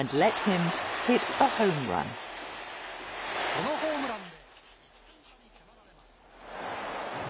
このホームランで、１点差に迫られます。